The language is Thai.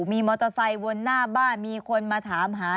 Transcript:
มีมอเตอร์ไซค์วนหน้าบ้านมีคนมาถามหา